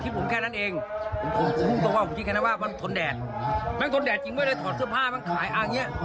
ผมก็คิดแค่นั้นว่ามันทนแดดมันทนแดดจริงไม่ได้ถอดเสื้อผ้ามันขายอ้างเงี้ย